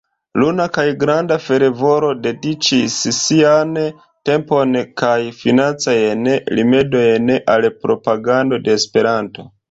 Luna kun granda fervoro dediĉis sian tempon kaj financajn rimedojn al propagando de Esperanto.